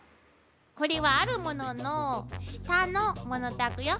これはあるものの下のものたくよ。